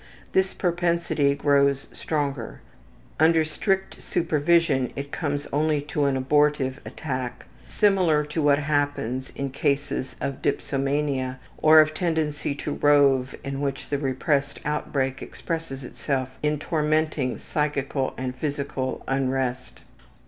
This propensity grows stronger. Under strict supervision it comes to only an abortive attack, similar to what happens in cases of dipsomania, or of tendency to rove in which the repressed outbreak expresses itself in tormenting psychical and physical unrest.